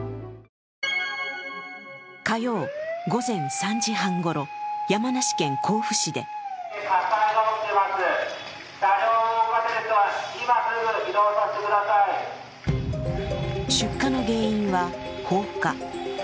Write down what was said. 火曜午前３時半ごろ、山梨県甲府市で出火の原因は放火。